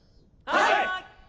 はい！